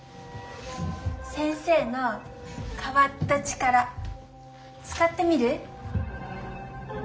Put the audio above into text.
先生の変わった「力」使ってみる？